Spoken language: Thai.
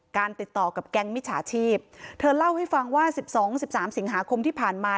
ติดต่อกับแก๊งมิจฉาชีพเธอเล่าให้ฟังว่า๑๒๑๓สิงหาคมที่ผ่านมา